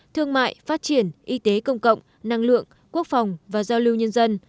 thương mại phát triển y tế công cộng năng lượng quốc phòng và giao lưu nhân dân